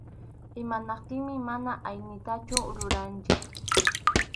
Imanaptinmi mana aynitachu ruranchik.